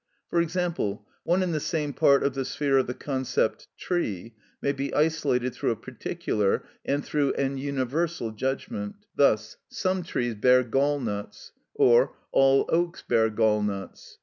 For example, one and the same part of the sphere of the concept tree may be isolated through a particular and through an universal judgment, thus—"Some trees bear gall nuts," or "All oaks bear gall nuts."